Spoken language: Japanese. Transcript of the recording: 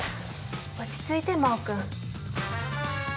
落ち着いて真旺君。